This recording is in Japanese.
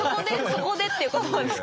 「そこで」っていう言葉をですか？